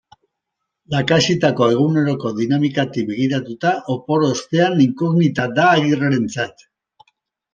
Lakaxitako eguneroko dinamikatik begiratuta, opor ostea inkognita da Agirrerentzat.